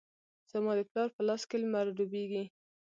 زما د پلار په لاس کې لمر ډوبیږې